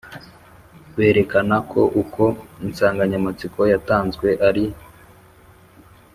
Berekana ko uko insanganyamatsiko yatanzwe ari